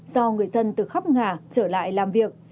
do người dân từ khắp ngả trở lại làm việc